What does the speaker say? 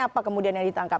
apa kemudian yang ditangkap